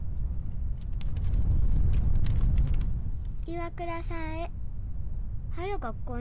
「岩倉さんへはよ